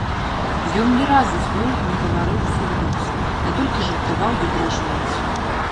Ён ні разу з ёй не гаварыў усур'ёз, а толькі жартаваў ды дражніўся.